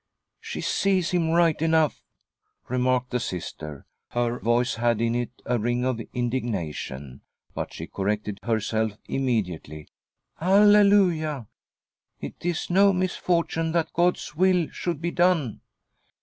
" She sees him right enough," remarked the Sister. Her voice had in it a ring of indignation, but she corrected herself immediately. "Alleluia ! it's no misfortune that God's will should be done."